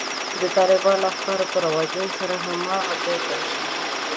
د طالباني افکارو په رواجولو سره هماغه ځای ته رسېږي.